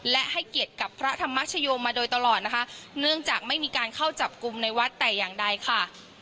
และให้เกียรติกับพระธรรมชโยมาโดยตลอดนะคะเนื่องจากไม่มีการเข้าจับกลุ่มในวัดแต่อย่างใดค่ะ